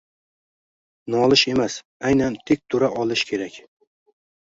Nolish emas, aynan tik tura olish kerak.